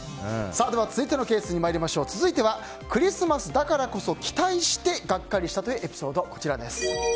続いてはクリスマスだからこそ期待してガッカリしたというエピソードです。